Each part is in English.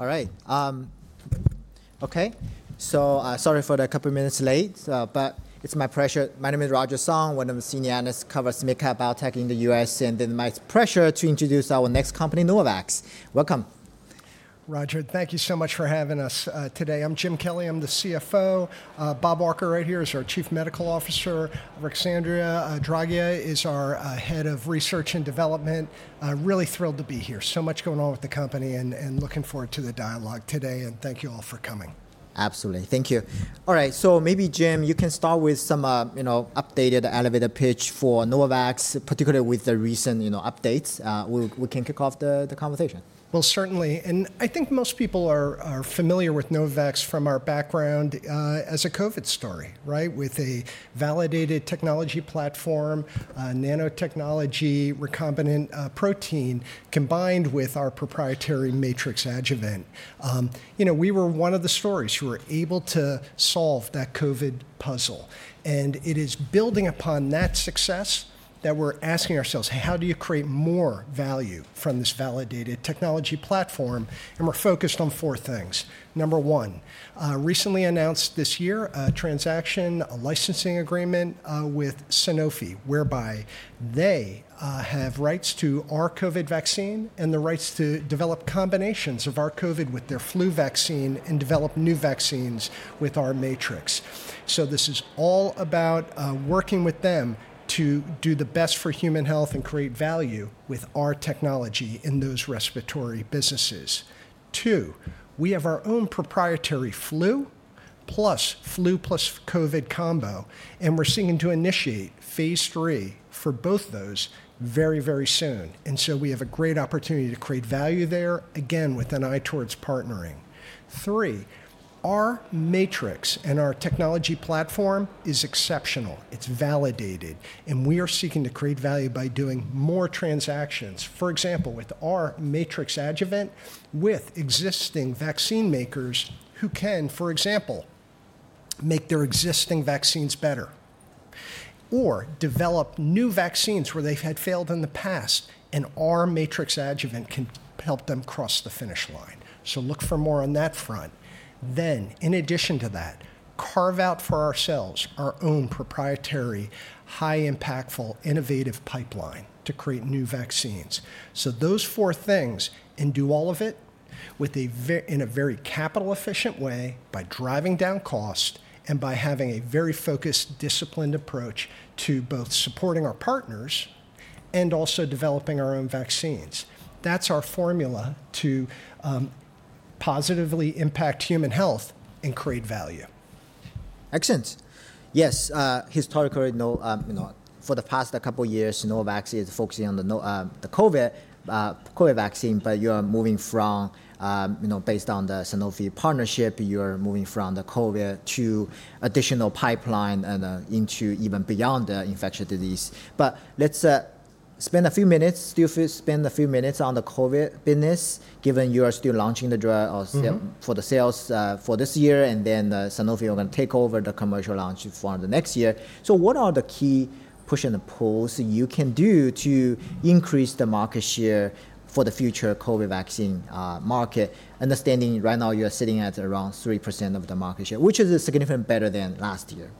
All right. Okay. So sorry for the couple of minutes late, but it's my pleasure. My name is Roger Song, one of the senior analysts covering SMID-cap biotech in the U.S., and then my pleasure to introduce our next company, Novavax. Welcome. Roger, thank you so much for having us today. I'm Jim Kelly. I'm the CFO. Bob Walker right here is our Chief Medical Officer. Ruxandra Draghia is our Head of Research and Development. Really thrilled to be here. So much going on with the company and looking forward to the dialogue today. And thank you all for coming. Absolutely. Thank you. All right. So maybe, Jim, you can start with some updated elevator pitch for Novavax, particularly with the recent updates. We can kick off the conversation. Certainly. I think most people are familiar with Novavax from our background as a COVID story, right? With a validated technology platform, nanotechnology, recombinant protein combined with our proprietary matrix adjuvant. We were one of the stories who were able to solve that COVID puzzle. It is building upon that success that we're asking ourselves, how do you create more value from this validated technology platform? We're focused on four things. Number one, recently announced this year a transaction, a licensing agreement with Sanofi, whereby they have rights to our COVID vaccine and the rights to develop combinations of our COVID with their flu vaccine and develop new vaccines with our Matrix. This is all about working with them to do the best for human health and create value with our technology in those respiratory businesses. Two, we have our own proprietary flu plus flu plus COVID combo, and we're seeking to initiate phase III for both those very, very soon. And so we have a great opportunity to create value there, again, with an eye towards partnering. Three, our Matrix-M and our technology platform is exceptional. It's validated. And we are seeking to create value by doing more transactions, for example, with our Matrix-M adjuvant with existing vaccine makers who can, for example, make their existing vaccines better or develop new vaccines where they've had failed in the past, and our Matrix-M adjuvant can help them cross the finish line. So look for more on that front. Then, in addition to that, carve out for ourselves our own proprietary, high-impactful, innovative pipeline to create new vaccines. So those four things and do all of it in a very capital-efficient way by driving down cost and by having a very focused, disciplined approach to both supporting our partners and also developing our own vaccines. That's our formula to positively impact human health and create value. Excellent. Yes. Historically, for the past couple of years, Novavax is focusing on the COVID vaccine, but you are moving from, based on the Sanofi partnership, you are moving from the COVID to additional pipeline and into even beyond the infectious disease, but let's spend a few minutes, still spend a few minutes on the COVID business, given you are still launching the drug for the sales for this year, and then Sanofi are going to take over the commercial launch for the next year, so what are the key push and pulls you can do to increase the market share for the future COVID vaccine market, understanding right now you are sitting at around 3% of the market share, which is significantly better than last year.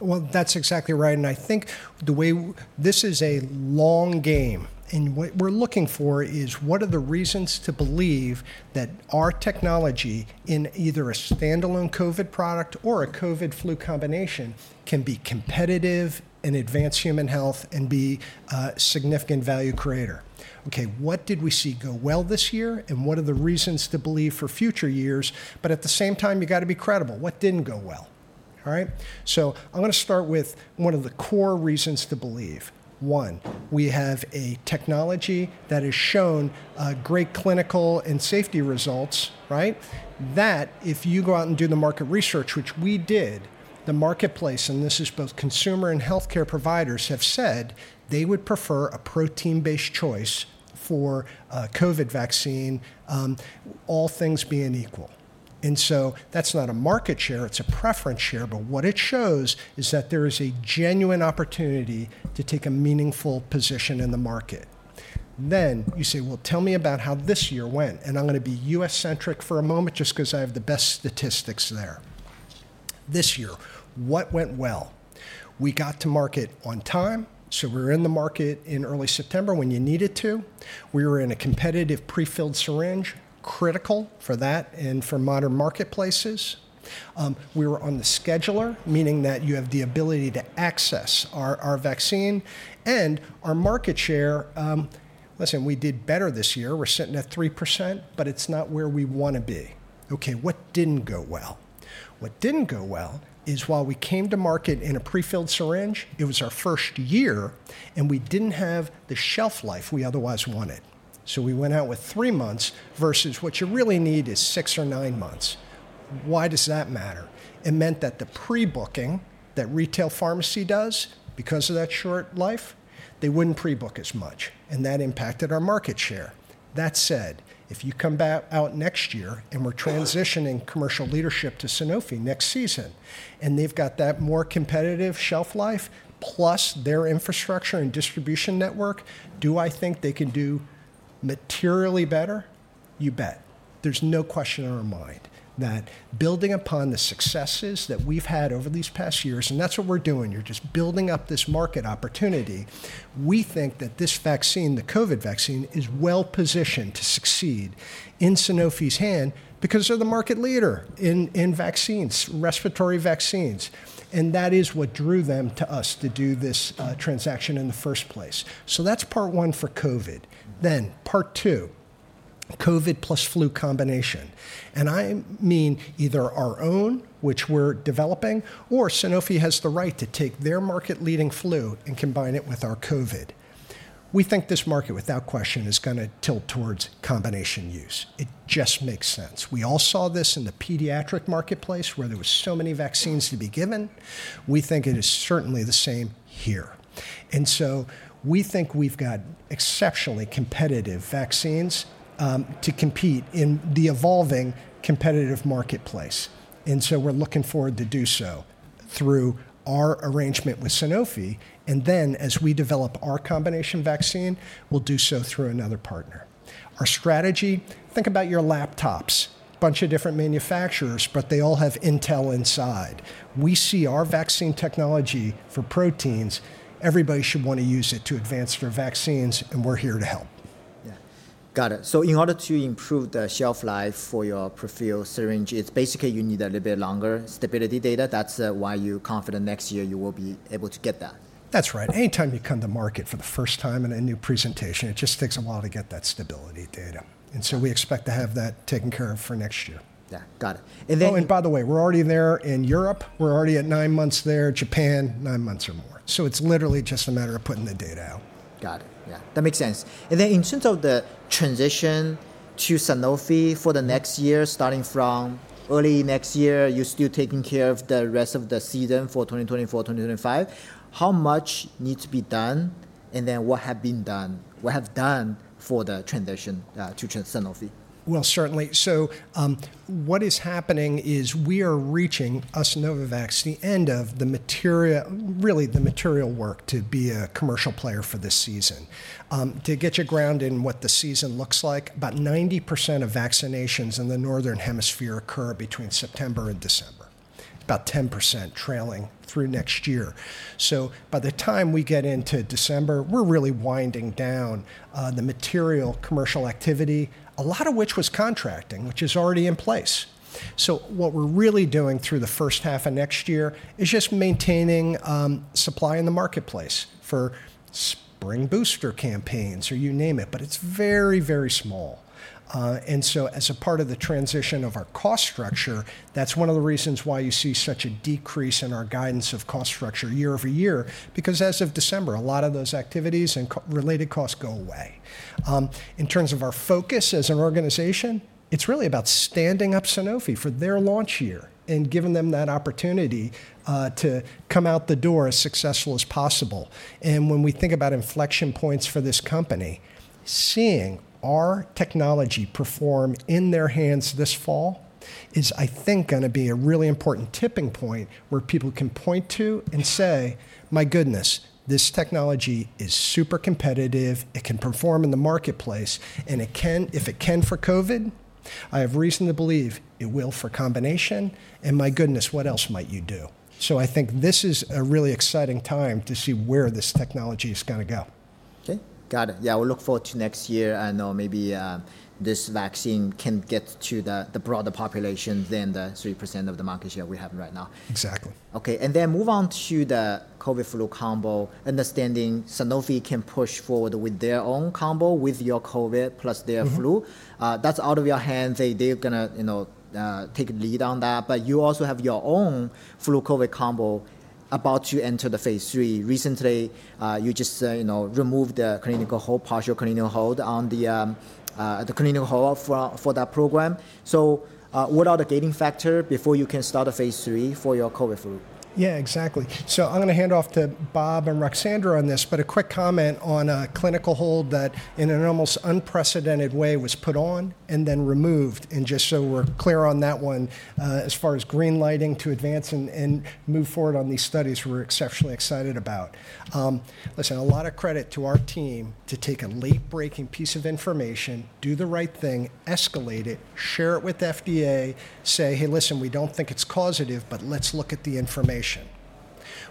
That's exactly right. And I think the way this is a long game, and what we're looking for is what are the reasons to believe that our technology in either a standalone COVID product or a COVID-flu combination can be competitive and advance human health and be a significant value creator. Okay, what did we see go well this year, and what are the reasons to believe for future years? But at the same time, you got to be credible. What didn't go well? All right. So I'm going to start with one of the core reasons to believe. One, we have a technology that has shown great clinical and safety results, right? That if you go out and do the market research, which we did, the marketplace, and this is both consumer and healthcare providers, have said they would prefer a protein-based choice for a COVID vaccine, all things being equal, and so that's not a market share. It's a preference share, but what it shows is that there is a genuine opportunity to take a meaningful position in the market, then you say, well, tell me about how this year went, and I'm going to be U.S.-centric for a moment just because I have the best statistics there. This year, what went well? We got to market on time, so we were in the market in early September when you needed to. We were in a competitive prefilled syringe, critical for that and for modern marketplaces. We were on the scheduler, meaning that you have the ability to access our vaccine and our market share. Listen, we did better this year. We're sitting at 3%, but it's not where we want to be. Okay, what didn't go well? What didn't go well is while we came to market in a prefilled syringe, it was our first year, and we didn't have the shelf life we otherwise wanted. So we went out with three months versus what you really need is six or nine months. Why does that matter? It meant that the pre-booking that retail pharmacy does, because of that short life, they wouldn't pre-book as much. And that impacted our market share. That said, if you come out next year and we're transitioning commercial leadership to Sanofi next season, and they've got that more competitive shelf life plus their infrastructure and distribution network, do I think they can do materially better? You bet. There's no question in our mind that building upon the successes that we've had over these past years, and that's what we're doing, you're just building up this market opportunity. We think that this vaccine, the COVID vaccine, is well positioned to succeed in Sanofi's hand because they're the market leader in vaccines, respiratory vaccines. And that is what drew them to us to do this transaction in the first place. So that's part one for COVID. Then part two, COVID plus flu combination. And I mean either our own, which we're developing, or Sanofi has the right to take their market-leading flu and combine it with our COVID. We think this market, without question, is going to tilt towards combination use. It just makes sense. We all saw this in the pediatric marketplace where there were so many vaccines to be given. We think it is certainly the same here, and so we think we've got exceptionally competitive vaccines to compete in the evolving competitive marketplace, and so we're looking forward to do so through our arrangement with Sanofi, and then as we develop our combination vaccine, we'll do so through another partner. Our strategy, think about your laptops, a bunch of different manufacturers, but they all have Intel Inside. We see our vaccine technology for proteins. Everybody should want to use it to advance their vaccines, and we're here to help. Yeah. Got it. So in order to improve the shelf life for your prefilled syringe, it's basically you need a little bit longer stability data. That's why you're confident next year you will be able to get that. That's right. Anytime you come to market for the first time in a new presentation, it just takes a while to get that stability data. And so we expect to have that taken care of for next year. Yeah. Got it. Oh, and by the way, we're already there in Europe. We're already at nine months there, Japan, nine months or more. So it's literally just a matter of putting the data out. Got it. Yeah. That makes sense. And then in terms of the transition to Sanofi for the next year, starting from early next year, you're still taking care of the rest of the season for 2024, 2025. How much needs to be done? And then what have been done, what have done for the transition to Sanofi? Well, certainly. So what is happening is we are reaching, as Novavax, the end of the material, really the material work to be a commercial player for this season. To get you grounded in what the season looks like, about 90% of vaccinations in the Northern Hemisphere occur between September and December. About 10% trailing through next year. So by the time we get into December, we're really winding down the material commercial activity, a lot of which was contracting, which is already in place. So what we're really doing through the first half of next year is just maintaining supply in the marketplace for spring booster campaigns or you name it, but it's very, very small. As a part of the transition of our cost structure, that's one of the reasons why you see such a decrease in our guidance of cost structure year over year, because as of December, a lot of those activities and related costs go away. In terms of our focus as an organization, it's really about standing up Sanofi for their launch year and giving them that opportunity to come out the door as successful as possible. When we think about inflection points for this company, seeing our technology perform in their hands this fall is, I think, going to be a really important tipping point where people can point to and say, "My goodness, this technology is super competitive. It can perform in the marketplace. And if it can for COVID, I have reason to believe it will for combination. And my goodness, what else might you do?" So I think this is a really exciting time to see where this technology is going to go. Okay. Got it. Yeah. We'll look forward to next year and maybe this vaccine can get to the broader population than the 3% of the market share we have right now. Exactly. Okay. And then move on to the COVID-flu combo, understanding Sanofi can push forward with their own combo with your COVID plus their flu. That's out of your hands. They're going to take lead on that. But you also have your own flu-COVID combo about to enter the phase III. Recently, you just removed the partial clinical hold for that program. So what are the gating factors before you can start a phase III for your COVID-flu? Yeah, exactly. So I'm going to hand off to Bob and Ruxandra on this, but a quick comment on a clinical hold that in an almost unprecedented way was put on and then removed. And just so we're clear on that one, as far as green lighting to advance and move forward on these studies we're exceptionally excited about. Listen, a lot of credit to our team to take a late-breaking piece of information, do the right thing, escalate it, share it with FDA, say, "Hey, listen, we don't think it's causative, but let's look at the information."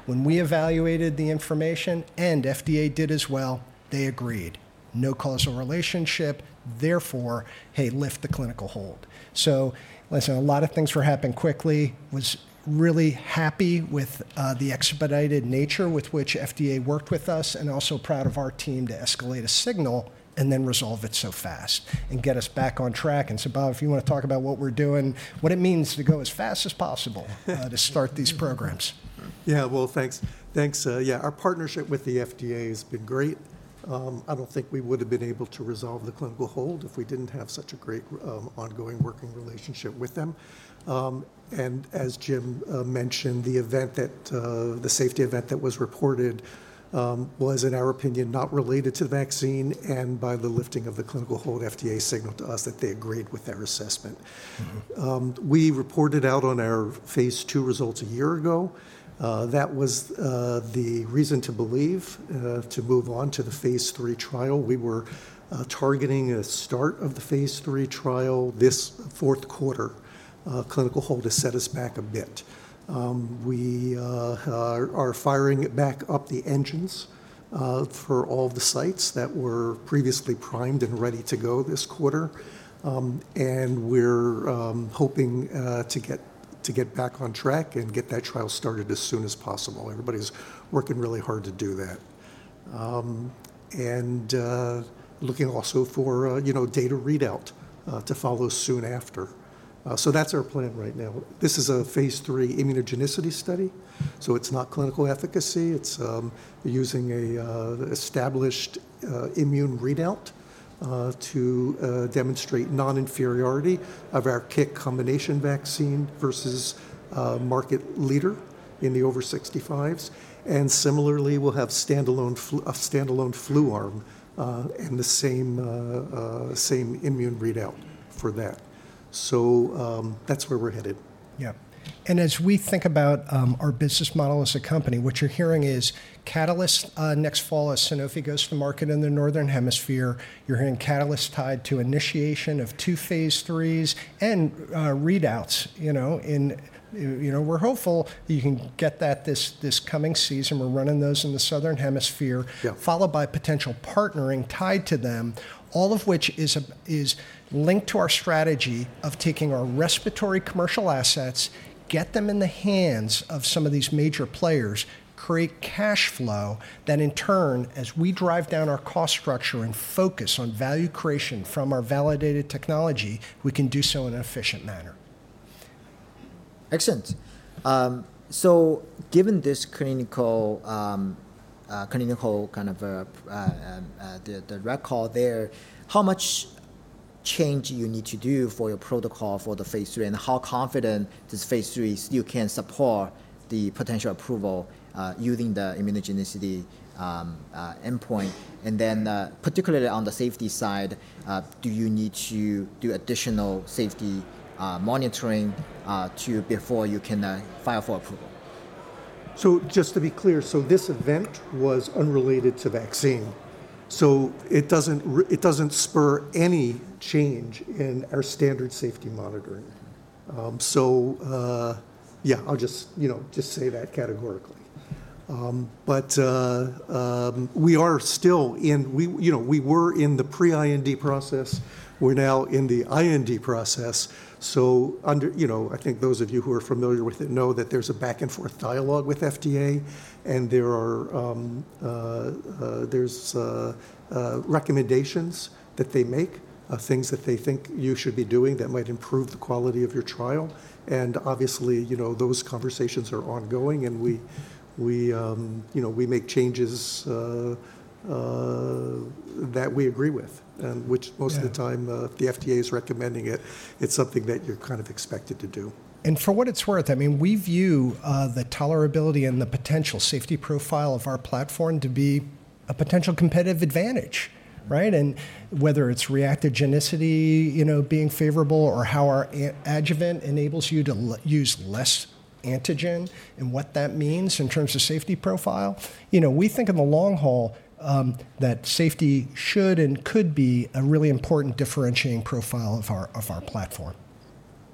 When we evaluated the information and FDA did as well, they agreed. No causal relationship. Therefore, hey, lift the clinical hold. So listen, a lot of things were happening quickly. Was really happy with the expedited nature with which FDA worked with us and also proud of our team to escalate a signal and then resolve it so fast and get us back on track, and so Bob, if you want to talk about what we're doing, what it means to go as fast as possible to start these programs. Yeah. Well, thanks. Thanks. Yeah. Our partnership with the FDA has been great. I don't think we would have been able to resolve the clinical hold if we didn't have such a great ongoing working relationship with them. And as Jim mentioned, the safety event that was reported was, in our opinion, not related to the vaccine. And by the lifting of the clinical hold, FDA signaled to us that they agreed with their assessment. We reported out on our phase II results a year ago. That was the reason to believe to move on to the phase III trial. We were targeting a start of the phase III trial this fourth quarter. Clinical hold has set us back a bit. We are firing back up the engines for all of the sites that were previously primed and ready to go this quarter. We're hoping to get back on track and get that trial started as soon as possible. Everybody's working really hard to do that. Looking also for data readout to follow soon after. That's our plan right now. This is a phase III immunogenicity study. It's not clinical efficacy. It's using an established immune readout to demonstrate non-inferiority of our COVID combination vaccine versus market leader in the over 65s. Similarly, we'll have standalone flu arm and the same immune readout for that. That's where we're headed. Yeah, and as we think about our business model as a company, what you're hearing is catalysts next fall as Sanofi goes to market in the Northern Hemisphere. You're hearing catalysts tied to initiation of two phase IIIs and readouts. We're hopeful you can get that this coming season. We're running those in the Southern Hemisphere, followed by potential partnering tied to them, all of which is linked to our strategy of taking our respiratory commercial assets, get them in the hands of some of these major players, create cash flow that in turn, as we drive down our cost structure and focus on value creation from our validated technology, we can do so in an efficient manner. Excellent. So given this clinical kind of the record there, how much change do you need to do for your protocol for the phase III and how confident this phase III still can support the potential approval using the immunogenicity endpoint? And then particularly on the safety side, do you need to do additional safety monitoring before you can file for approval? So just to be clear, so this event was unrelated to vaccine. So it doesn't spur any change in our standard safety monitoring. So yeah, I'll just say that categorically. But we are still in the pre-IND process. We're now in the IND process. So I think those of you who are familiar with it know that there's a back-and-forth dialogue with FDA and there's recommendations that they make, things that they think you should be doing that might improve the quality of your trial. And obviously, those conversations are ongoing and we make changes that we agree with, which most of the time if the FDA is recommending it, it's something that you're kind of expected to do. For what it's worth, I mean, we view the tolerability and the potential safety profile of our platform to be a potential competitive advantage, right? And whether it's reactogenicity being favorable or how our adjuvant enables you to use less antigen and what that means in terms of safety profile, we think in the long haul that safety should and could be a really important differentiating profile of our platform.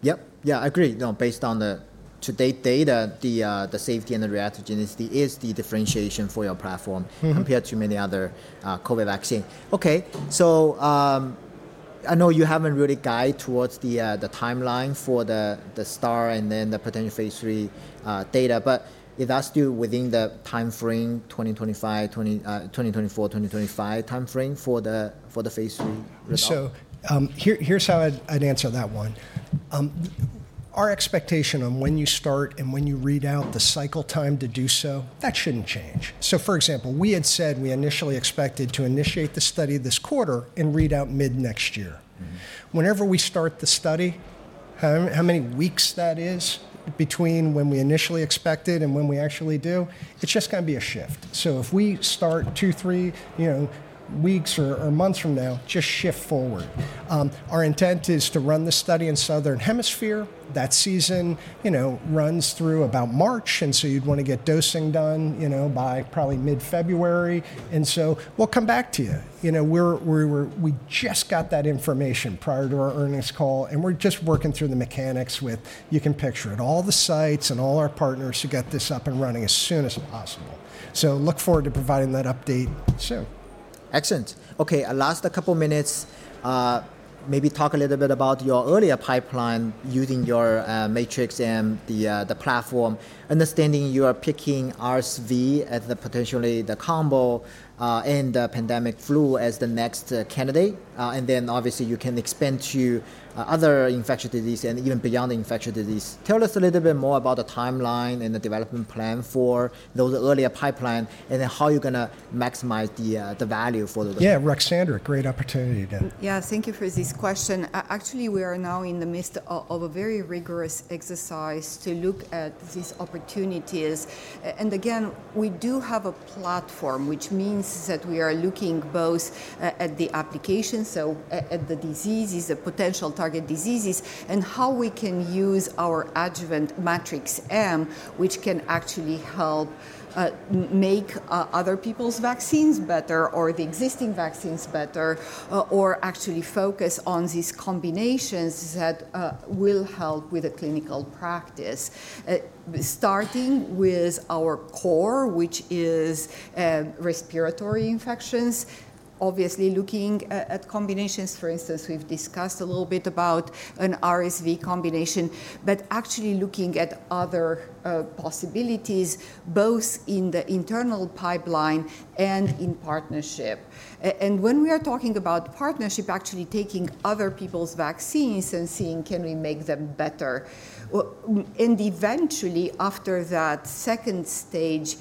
Yep. Yeah, I agree. No, based on today's data, the safety and the reactogenicity is the differentiation for your platform compared to many other COVID vaccine. Okay. So I know you haven't really guided towards the timeline for the start and then the potential phase III data, but is that still within the timeframe 2025, 2024, 2025 timeframe for the phase III? So here's how I'd answer that one. Our expectation on when you start and when you read out the cycle time to do so, that shouldn't change. So for example, we had said we initially expected to initiate the study this quarter and read out mid next year. Whenever we start the study, how many weeks that is between when we initially expected and when we actually do, it's just going to be a shift. So if we start two, three weeks or months from now, just shift forward. Our intent is to run the study in Southern Hemisphere. That season runs through about March. And so you'd want to get dosing done by probably mid-February. And so we'll come back to you. We just got that information prior to our earnings call and we're just working through the mechanics with, you can picture it, all the sites and all our partners to get this up and running as soon as possible. So look forward to providing that update soon. Excellent. Okay. Last couple of minutes, maybe talk a little bit about your earlier pipeline using your Matrix-M and the platform, understanding you are picking RSV as potentially the combo and the pandemic flu as the next candidate, and then obviously you can expand to other infectious disease and even beyond infectious disease. Tell us a little bit more about the timeline and the development plan for those earlier pipeline and then how you're going to maximize the value for those. Yeah, Ruxandra, great opportunity then. Yeah, thank you for this question. Actually, we are now in the midst of a very rigorous exercise to look at these opportunities. And again, we do have a platform, which means that we are looking both at the application, so at the diseases, the potential target diseases, and how we can use our adjuvant Matrix-M, which can actually help make other people's vaccines better or the existing vaccines better, or actually focus on these combinations that will help with the clinical practice. Starting with our core, which is respiratory infections, obviously looking at combinations. For instance, we've discussed a little bit about an RSV combination, but actually looking at other possibilities both in the internal pipeline and in partnership. And when we are talking about partnership, actually taking other people's vaccines and seeing can we make them better. Eventually after that second stage,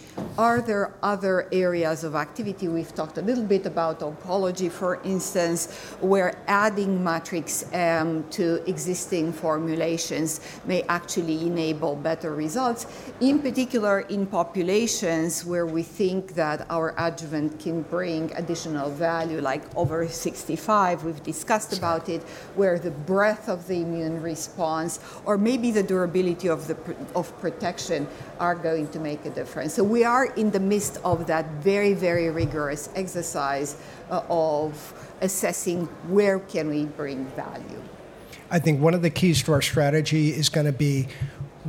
are there other areas of activity? We've talked a little bit about oncology, for instance, where adding Matrix-M to existing formulations may actually enable better results, in particular in populations where we think that our adjuvant can bring additional value like over 65. We've discussed about it where the breadth of the immune response or maybe the durability of protection are going to make a difference. So we are in the midst of that very, very rigorous exercise of assessing where can we bring value. I think one of the keys to our strategy is going to be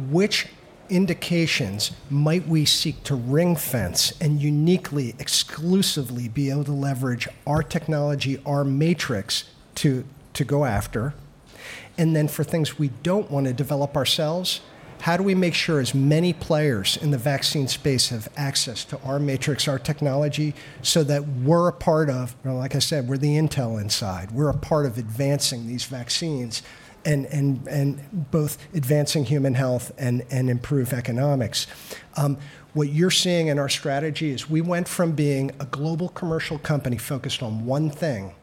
which indications might we seek to ring-fence and uniquely, exclusively be able to leverage our technology, our matrix to go after, and then for things we don't want to develop ourselves, how do we make sure as many players in the vaccine space have access to our matrix, our technology so that we're a part of, like I said, we're the intel inside. We're a part of advancing these vaccines and both advancing human health and improved economics. What you're seeing in our strategy is we went from being a global commercial company focused on one thing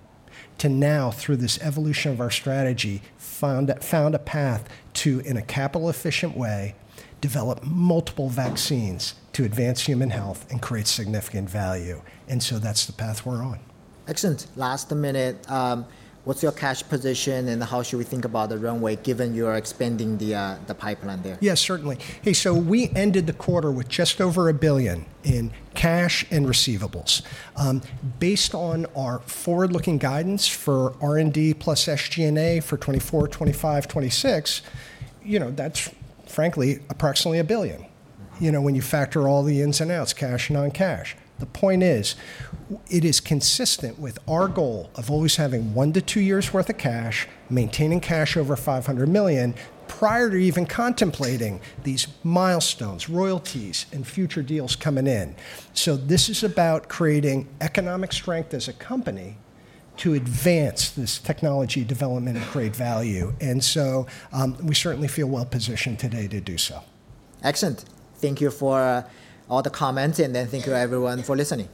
to now, through this evolution of our strategy, found a path to, in a capital-efficient way, develop multiple vaccines to advance human health and create significant value, and so that's the path we're on. Excellent. Last minute, what's your cash position and how should we think about the runway given you are expanding the pipeline there? Yeah, certainly. Hey, so we ended the quarter with just over $1 billion in cash and receivables. Based on our forward-looking guidance for R&D plus SG&A for 2024, 2025, 2026, that's frankly approximately $1 billion when you factor all the ins and outs, cash and non-cash. The point is it is consistent with our goal of always having one to two years' worth of cash, maintaining cash over $500 million prior to even contemplating these milestones, royalties, and future deals coming in. So this is about creating economic strength as a company to advance this technology development and create value. And so we certainly feel well-positioned today to do so. Excellent. Thank you for all the comments, and then thank you, everyone, for listening.